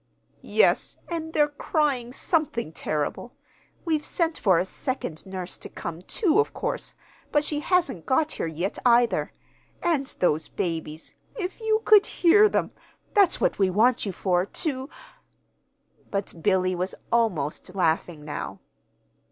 "Yes, and they're crying something terrible. We've sent for a second nurse to come, too, of course, but she hasn't got here yet, either. And those babies if you could hear them! That's what we want you for, to " But Billy was almost laughing now.